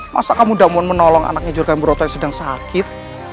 masa kamu tidak mau menolong anaknya juragan broto yang sedang sakit